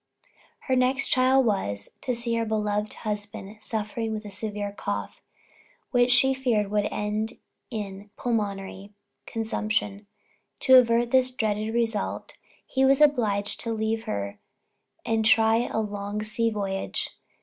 Her next trial was, to see her beloved husband suffering with a severe cough, which she feared would end in pulmonary consumption. To avert this dreaded result, he was obliged to leave her and try a long sea voyage.